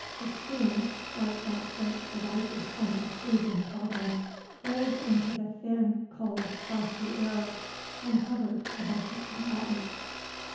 A steam, like that which arises from a seething cauldron, rose into the thin, cold, frosty air, and hovered above the combatants.